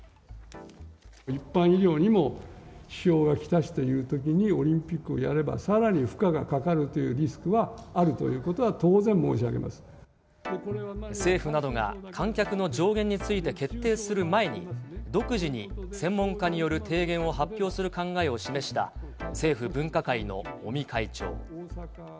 一般医療にも支障が来すというときに、オリンピックをやれば、さらに負荷がかかるというリスクはあるということは当然、申し上政府などが観客の上限について決定する前に、独自に専門家による提言を発表する考えを示した、政府分科会の尾身会長。